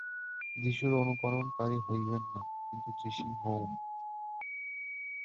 যীশুর অনুকরণকারী হইবেন না, কিন্তু যীশু হউন।